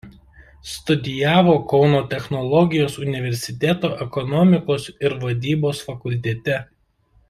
Studijavo Kauno technologijos universiteto Ekonomikos ir vadybos fakultete.